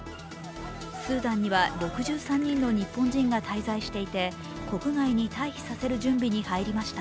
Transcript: スーダンには６３人の日本人が滞在していて国外に退避させる準備に入りました。